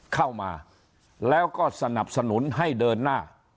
เข้ามาแล้วก็สนับสนุนให้เดินหน้า